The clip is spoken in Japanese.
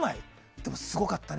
でも、すごかったね。